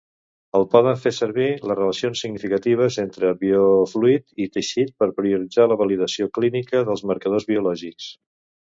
Es poden fer servir les relacions significatives entre biofluid i teixit per prioritzar la validació clínica dels marcadors biològics.